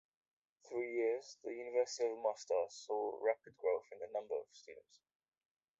Through years, the University of Mostar saw rapid growth in number of students.